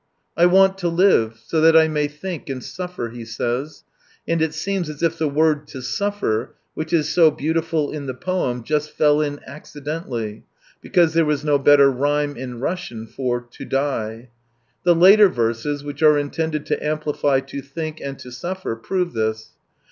" I want to live, so that I may think and sufFer," he says^; and it seems as if the word " to suffer," which is so beautiful in the poem, just fell in accidentally, because there was no better rhyme in Russian for " to die." The later verses, which are intended to amplify to think and to sufer, prove this.